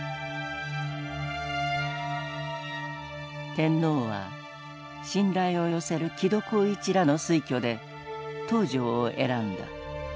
天皇は信頼を寄せる木戸幸一らの推挙で東條を選んだ。